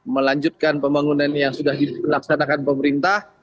melanjutkan pembangunan yang sudah dilaksanakan pemerintah